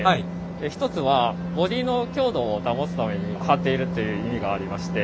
一つはボディーの強度を保つために貼っているっていう意味がありまして。